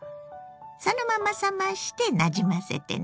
そのまま冷ましてなじませてね。